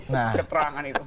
nasi keterangan itu